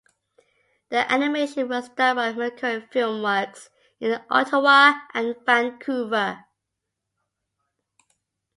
The animation was done by Mercury Filmworks in Ottawa and Vancouver.